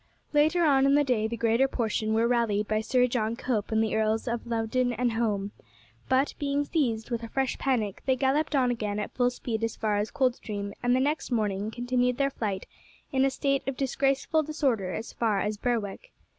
Later on in the day the greater portion were rallied by Sir John Cope and the Earls of Loudon and Home; but being seized with a fresh panic they galloped on again at full speed as far as Coldstream, and the next morning continued their flight in a state of disgraceful disorder as far as Berwick.